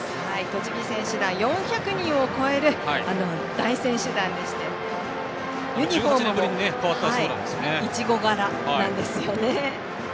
栃木選手団４００人を超える大選手団でしてユニフォームもいちご柄なんですよね。